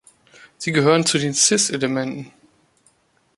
Sie gehören zu den cis-Elementen.